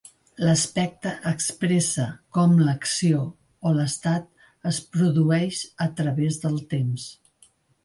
L'aspecte expressa com l'acció o l'estat es produeix a través del temps.